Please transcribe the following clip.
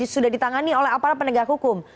sudah ditangani oleh aparat penegak hukum